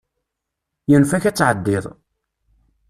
Yunef-ak ad tɛeddiḍ.